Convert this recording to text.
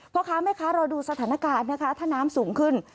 พ่อค้าแม่ค้ารอดูสถานการณ์นะคะถ้าน้ำสูงขึ้น